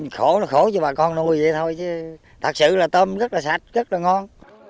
khổ là khổ cho bà con nuôi vậy thôi chứ thật sự là tôm rất là sạch rất là ngon